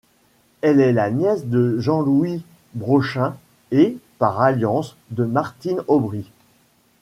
Elle est la nièce de Jean-Louis Brochen et, par alliance, de Martine Aubry.